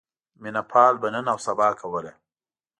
مینه پال به نن اوسبا کوله.